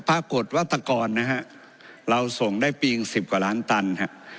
ปรากฏวัตกรนะครับเราส่งได้ปีอีก๑๐กว่าล้านตันค่ะ